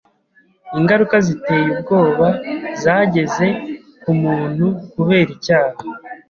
Ingaruka ziteye ubwoba zageze ku muntu kubera icyaha